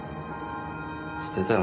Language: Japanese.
捨てたよ